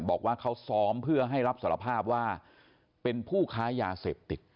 บอกว่าเขาซ้อมเพื่อให้รับสารภาพว่าเป็นผู้ค้ายาเสพติด